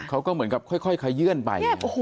เขาก็เหมือนกับค่อยเขยื่นไป